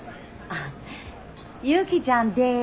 あっユキちゃんです。